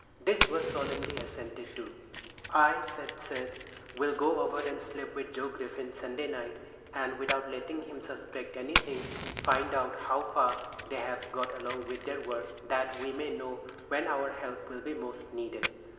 This was solemnly assented to. "I," said Seth, "will go over and sleep with Joe Griffin Sunday night, and, without letting him suspect anything, find out how far they've got along with their work, that we may know when our help will be most needed."